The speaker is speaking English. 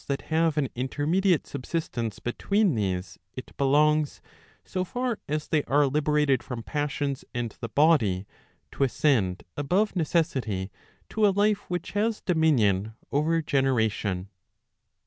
But to the souls that have an intermediate subsistence between these, it belongs, so far as they are liberated from passions and the body, to ascend above necessity to a life which has dominion over generation.